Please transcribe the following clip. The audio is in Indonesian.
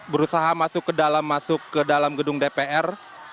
berusaha masuk ke dalam gedung dpr